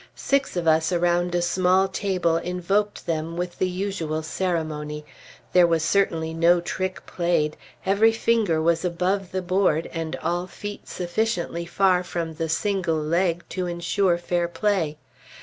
Six of us around a small table invoked them with the usual ceremony. There was certainly no trick played; every finger was above the board, and all feet sufficiently far from the single leg to insure fair play.